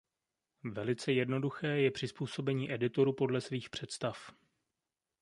Velice jednoduché je přizpůsobení editoru podle svých představ.